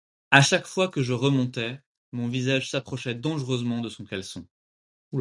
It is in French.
À chaque fois que je remontais, mon visage s’approchait dangereusement de son caleçon.